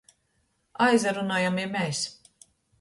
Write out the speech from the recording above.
Aizarunojam i mes.